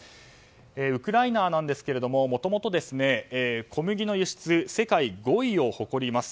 ウクライナなんですがもともと小麦の輸出世界５位を誇ります。